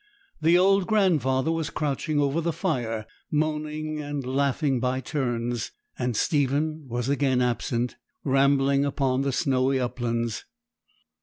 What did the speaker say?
The old grandfather was crouching over the fire, moaning and laughing by turns; and Stephen was again absent, rambling upon the snowy uplands.